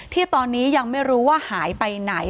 ที่ตอนนี้ยังไม่รู้ว่าหายไปไหน